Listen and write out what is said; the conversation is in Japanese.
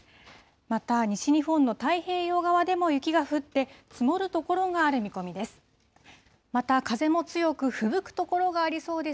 また、西日本の太平洋側でも雪が降って、積もる所がある見込みです。